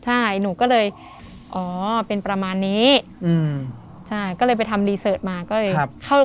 ใช่หนูก็เลยอ๋อเป็นประมาณนี้อืมใช่ก็เลยไปทำรีเสิร์ตมาก็เลยเข้า